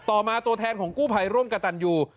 มาตัวแทนของกู้ภัยร่วมกับตันยู